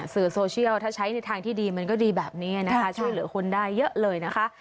สื่อโซเชียลถ้าใช้ในทางที่ดีมันก็ดีแบบนี้นะคะช่วยเหลือคนได้เยอะเลยนะคะ